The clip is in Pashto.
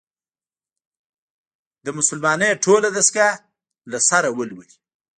د «مسلمانۍ ټوله دستګاه» له سره ولولي.